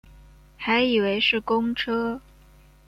还以为是公车